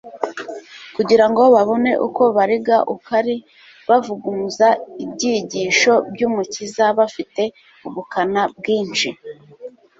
Kugira ngo babone uko bariga ukari, bavugumza ibyigisho by'Umukiza bafite ubukana bwinshi.